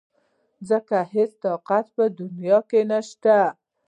ځکه هېڅ طاقت په دنيا کې نشته .